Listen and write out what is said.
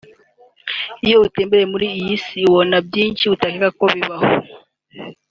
Iyo utembereye muri iyi si ubona byinshi utakekaga ko bibaho